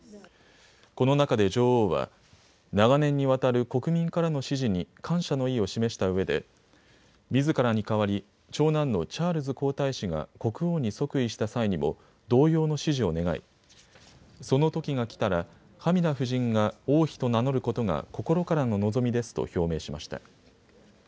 この中で女王は長年にわたる国民からの支持に感謝の意を示したうえでみずからに代わり長男のチャールズ皇太子が国王に即位した際にも同様の支持を願い、その時がきたらカミラ夫人が王妃と名乗ることが心からの望みですと表明しました。